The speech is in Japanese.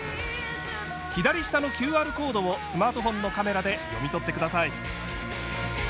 左下のＱＲコードをスマートフォンのカメラで読み取ってください。